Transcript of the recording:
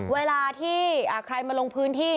เวลาที่ใครมาลงพื้นที่